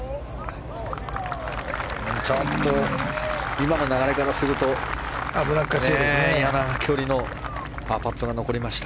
今の流れからするといやな距離のパーパットが残りました。